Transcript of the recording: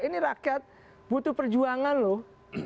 ini rakyat butuh perjuangan loh